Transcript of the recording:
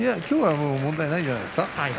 きょうは問題ないんじゃないですか。